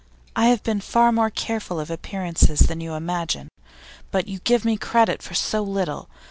I have been far more careful of appearances than you imagine, but you give me credit for so little.